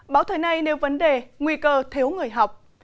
báo thời nay nêu vấn đề nguy cơ thiếu người học